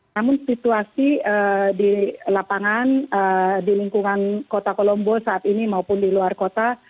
namun situasi di lapangan di lingkungan kota kolombo saat ini maupun di luar kota